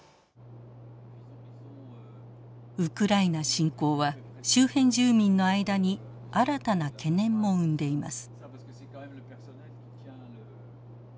ウクライナ侵攻は周辺住民の間に新たな懸念も生んでいます。